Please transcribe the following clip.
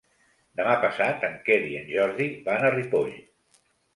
Demà passat en Quer i en Jordi van a Ripoll.